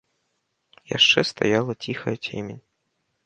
Яшчэ стаяла ціхая цемень.